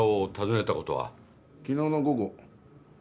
昨日の午後。